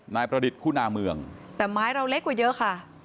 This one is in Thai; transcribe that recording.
ประดิษฐ์คุณาเมืองแต่ไม้เราเล็กกว่าเยอะค่ะ